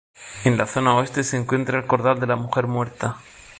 En la zona oeste se encuentra el cordal de La Mujer Muerta.